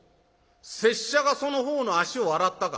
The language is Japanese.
拙者がその方の足を洗ったか」。